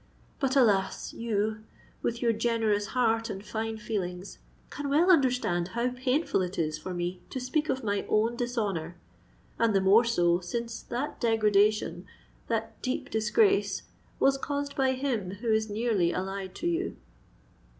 But, alas! you—with your generous heart and fine feelings—can well understand how painful it is for me to speak of my own dishonour,—and the more so, since that degradation—that deep disgrace was caused by him who is nearly allied to you."